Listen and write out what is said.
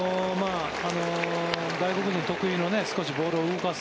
外国人特有の少しボールを動かす